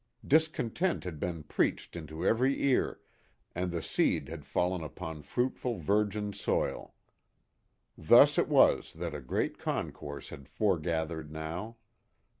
Discontent had been preached into every ear, and the seed had fallen upon fruitful, virgin soil. Thus it was that a great concourse had foregathered now.